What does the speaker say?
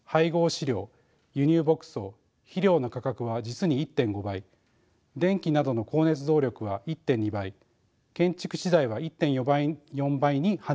飼料輸入牧草肥料の価格は実に１．５倍電気などの光熱動力は１．２倍建築資材は１．４倍に跳ね上がりました。